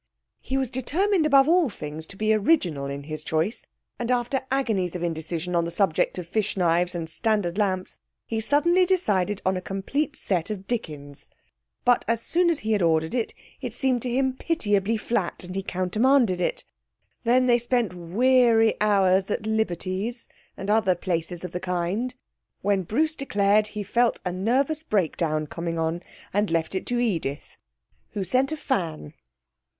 He was determined above all things to be original in his choice, and after agonies of indecision on the subject of fish knives and Standard lamps, he suddenly decided on a complete set of Dickens. But as soon as he had ordered it, it seemed to him pitiably flat, and he countermanded it. Then they spent weary hours at Liberty's, and other places of the kind, when Bruce declared he felt a nervous breakdown coming on, and left it to Edith, who sent a fan.